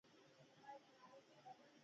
صادرات باید څنګه زیات شي؟